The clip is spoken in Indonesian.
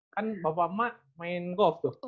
kan bapak emak main golf tuh